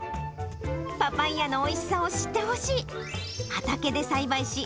パパイヤのおいしさを知ってほしい。